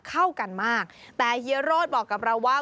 เข้ากันมากแต่เฮียโรธบอกกับเราว่า